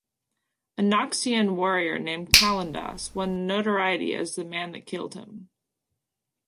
A Naxian warrior named Calondas won notoriety as the man that killed him.